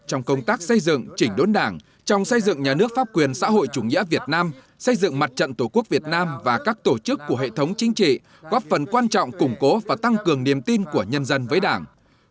trong công tác xây dựng chỉnh đốn đảng trong xây dựng nhà nước pháp quyền xã hội chủ nghĩa việt nam xây dựng mặt trận tổ quốc việt nam và các tổ chức của hệ thống chính trị góp phần quan trọng củng cố và tăng cường niềm tin của nhân dân với đảng